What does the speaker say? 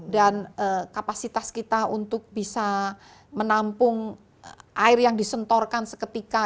dan kapasitas kita untuk bisa menampung air yang disentorkan seketika